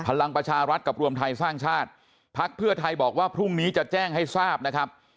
พลังประชารัฐกับรวมไทยสร้างชาติพักเพื่อไทยบอกว่าพรุ่งนี้จะแจ้งให้ทราบนะครับ